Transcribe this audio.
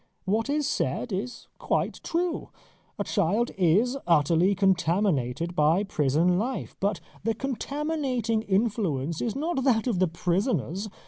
What is said is quite true. A child is utterly contaminated by prison life. But the contaminating influence is not that of the prisoners.